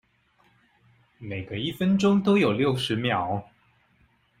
每個一分鐘都有六十秒